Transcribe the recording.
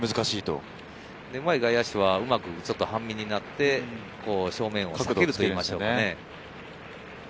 うまい外野手はうまく半身になって正面を避けるといいますか。